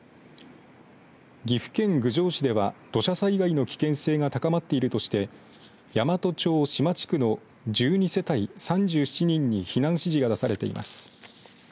岐阜県郡上市では土砂災害の危険性が高まっているとして大和町島地区の１２世帯３７人に避難指示が出されています。